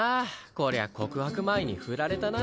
こりゃ告白前にフラれたな。